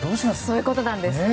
そういうことです。